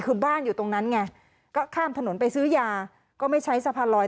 คือบ้านอยู่ตรงนั้นไงก็ข้ามถนนไปซื้อยาก็ไม่ใช้สะพานลอย